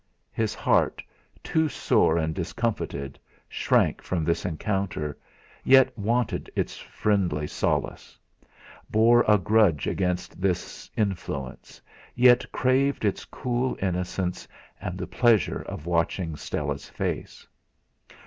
His heart, too sore and discomfited, shrank from this encounter, yet wanted its friendly solace bore a grudge against this influence, yet craved its cool innocence, and the pleasure of watching Stella's face.